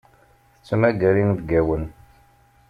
Tettmagar inebgawen.